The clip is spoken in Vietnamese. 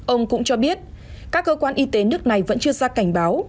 ông cũng cho biết các cơ quan y tế nước này vẫn chưa ra cảnh báo